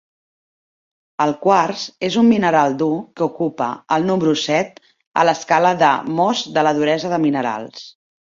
El quars és un mineral dur que ocupa el número set a l'escala de Mohs de la duresa de minerals.